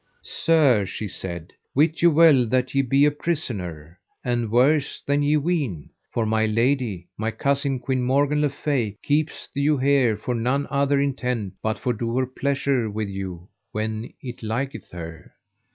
Sir, she said, wit you well that ye be a prisoner, and worse than ye ween; for my lady, my cousin Queen Morgan le Fay, keepeth you here for none other intent but for to do her pleasure with you when it liketh her.